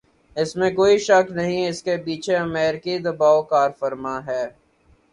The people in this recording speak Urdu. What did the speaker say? اس میں کوئی شک نہیں کہ اس کے پیچھے امریکی دبائو کارفرما ہے۔